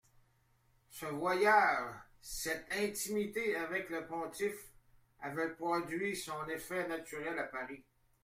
Ce voyage, cette intimité avec le pontife, avait produit son effet naturel à Paris.